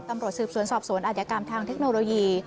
ตำรวจสืบสวนสอบสวนอาจยกรรมทางเทคโนโลยี